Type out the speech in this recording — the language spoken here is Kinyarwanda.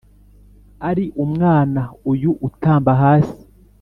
ari umwana uyu utamba hasi,